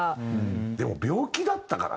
でも病気だったからね。